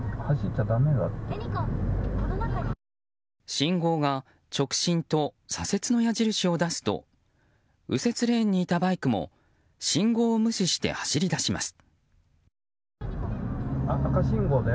信号が直進と左折の矢印を出すと右折レーンにいたバイクも信号を無視して走り出します。